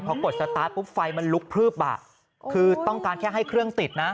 พอกดสตาร์ทปุ๊บไฟมันลุกพลึบอ่ะคือต้องการแค่ให้เครื่องติดนะ